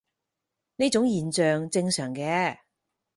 呢種現象正常嘅